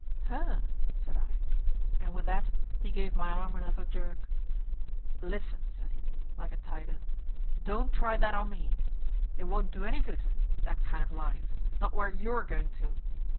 _" "Her," said I. And with that he gave my arm another jerk. "Listen," said he, like a tiger. "Don't try that on me. It won't do any good that kind of lies not where you're going to.